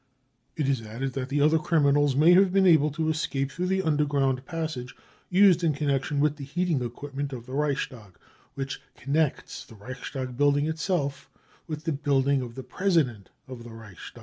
It is added that the other criminals may h%ve been able to escape through the underground passage used in connection with the heating equipment of the Reichstag, which connects the Reichstag building # itself with the building of the President of the Reichs tag.